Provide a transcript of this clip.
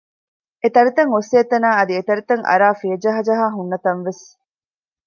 އެތަރިތައް އޮއްސޭތަނާއި އަދި އެތަރިތައް އަރައި ފިޔަޖަހަޖަހާ ހުންނަތަން ވެސް